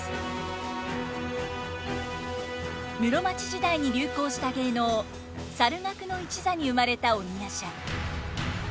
室町時代に流行した芸能猿楽の一座に生まれた鬼夜叉。